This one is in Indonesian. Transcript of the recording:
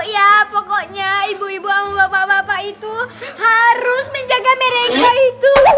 ya pokoknya ibu ibu bapak bapak itu harus menjaga mereka itu